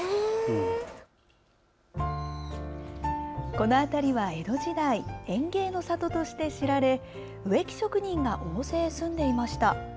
この辺りは、江戸時代園芸の里として知られ植木職人が大勢住んでいました。